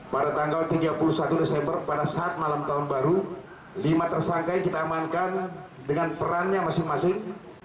pada tanggal tiga puluh satu desember pada saat malam tahun baru lima tersangka yang kita amankan dengan perannya masing masing